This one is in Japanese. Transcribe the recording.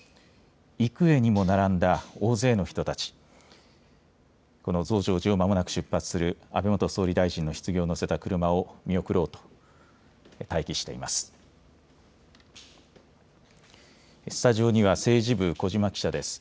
幾重にも並んだ大勢の人たち、この増上寺をままなく出発する安倍元総理大臣のひつぎを乗せた車を見送ろうと待機しています。